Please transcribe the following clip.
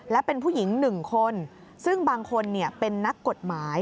และเป็นผู้หญิง๑คนซึ่งบางคนเป็นนักกฎหมาย